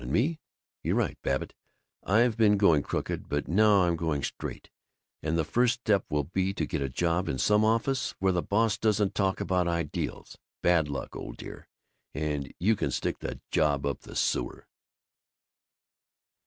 And me you're right, Babbitt, I've been going crooked, but now I'm going straight, and the first step will be to get a job in some office where the boss doesn't talk about Ideals. Bad luck, old dear, and you can stick your job up the sewer!"